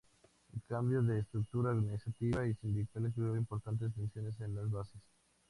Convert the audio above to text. El cambio de estructura organizativa y sindical, creó importantes tensiones en las bases.